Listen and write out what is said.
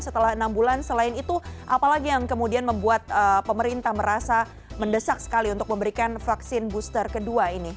setelah enam bulan selain itu apalagi yang kemudian membuat pemerintah merasa mendesak sekali untuk memberikan vaksin booster kedua ini